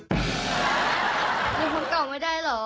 เดี๋ยวจะบอกให้ได้หรอ